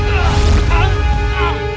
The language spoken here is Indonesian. eh siapa kau